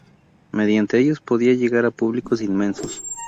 Mediante ellos podía llegar a públicos inmensos.